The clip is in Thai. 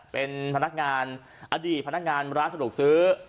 เป็นพนักงานอดีตพนักงานร้านสะดวกซื้อ